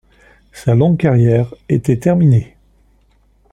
Sa longue carrière était terminée.